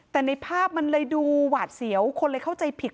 แต่ในภาพมันเลยดูหวาดเสียวคนเลยเข้าใจผิด